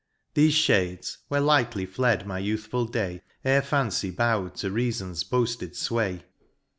Thefe fhades, where lightly fled my youthful day. Ere fancy bow'd to reafon's boafted fway.